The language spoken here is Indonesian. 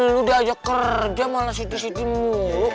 lo udah aja kerja malah siti sitimu